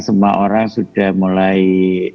semua orang sudah mulai